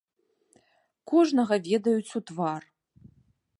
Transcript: Кожнага ведаюць у твар.